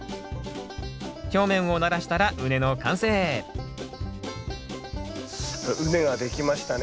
表面をならしたら畝の完成畝が出来ましたね。